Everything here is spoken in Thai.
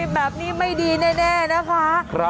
แบบนี้ไม่ดีแน่นะคะ